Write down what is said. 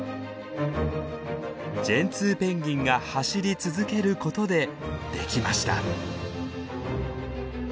ジェンツーペンギンが走り続けることでできました。